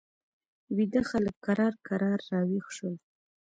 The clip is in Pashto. ویده خلک کرار کرار را ویښ شول.